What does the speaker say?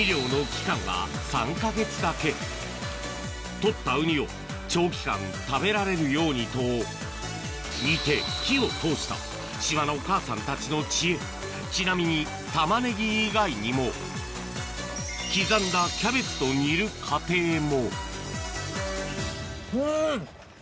取ったウニを長期間食べられるようにと煮て火を通した島のお母さんたちの知恵ちなみに玉ねぎ以外にも刻んだキャベツと煮る家庭もうん！